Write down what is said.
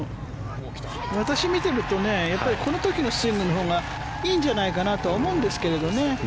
私、見てるとこの時のスイングのほうがいいんじゃないかなと思うんですけどね。